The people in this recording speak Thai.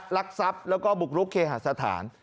ลักทรัพย์แล้วก็บุกรุกเคหาสถาน